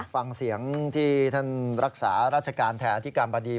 ฟังเสียงที่ท่านรักษาราชการแทนอธิการบดี